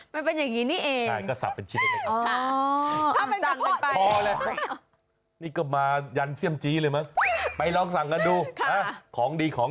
มันจะได้เคี้ยวง่ายเพิ่ง